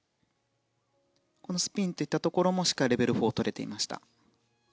このスピンといったところもレベル４を取れていました。